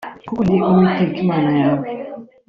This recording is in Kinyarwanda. kuko ndi Uwiteka Imana yawe